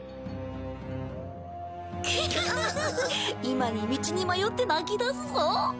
今に道に迷って泣き出すぞ。